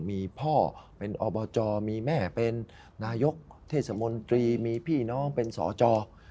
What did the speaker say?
มีพ่อเป็นอบจมีแม่เป็นนายกเทศมนตรีมีพี่น้องเป็นสจ